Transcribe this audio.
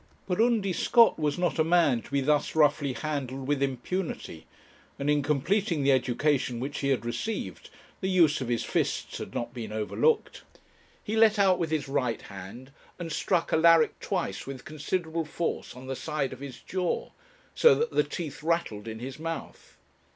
But Undy Scott was not a man to be thus roughly handled with impunity; and in completing the education which he had received, the use of his fists had not been overlooked. He let out with his right hand, and struck Alaric twice with considerable force on the side of his jaw, so that the teeth rattled in his mouth.